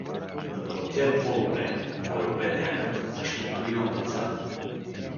— Да платя е по-добре — отговорил беднякът, — защото имам деца.